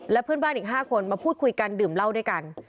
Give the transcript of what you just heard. และเพื่อนบ้านอีก๕คนมาพูดคุยกันดื่มเหล้าด้วยกัน